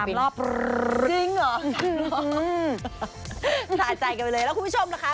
พี่ออกมาจากเต้นท์เลยอ่ะ